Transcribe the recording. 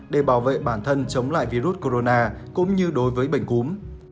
để bảo vệ bản thân chống lại virus corona cũng như đối với bệnh cúm